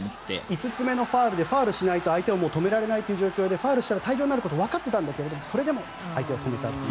５つ目のファウルでファウルをしないと相手を止められない状況でファウルをしたら退場になるけどそれでも相手を止めたという。